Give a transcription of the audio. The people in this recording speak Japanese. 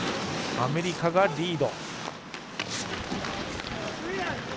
アメリカがリード。